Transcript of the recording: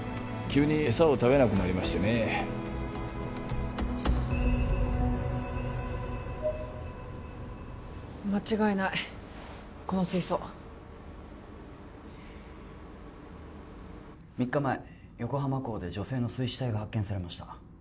急に餌を食べなくなりましてね間違いないこの水槽３日前横浜港で女性の水死体が発見されました